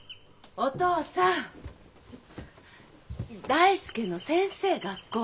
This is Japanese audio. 大介の先生学校の。